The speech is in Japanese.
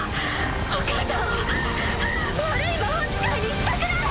お母さんをはぁはぁ悪い魔法使いにしたくない！